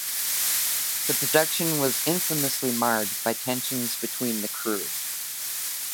The production was infamously marred by tensions between the crew.